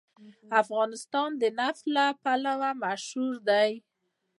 افغانستان د نفت لپاره مشهور دی.